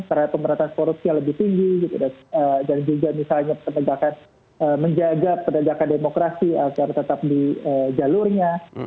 pemerintah pemerintah seharusnya lebih tinggi dan juga misalnya menjaga perdagangan demokrasi agar tetap di jalurnya